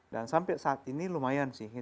dan sampai saat ini lumayan sih